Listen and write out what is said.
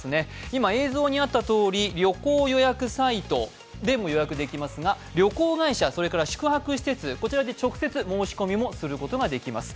今映像にあったとおり、旅行予約サイトでも予約できますが旅行会社、宿泊施設、こちらで直接申込みをすることもできます。